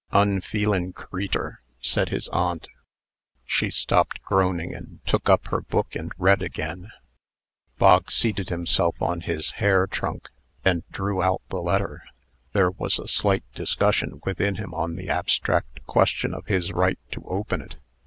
"Unfeelin' creetur!" said his aunt. She stopped groaning, and took up her book and read again. Bog seated himself on his hair trunk, and drew out the letter. There was a slight discussion within him on the abstract question of his right to open it.